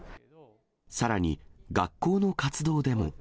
さらに学校の活動でも。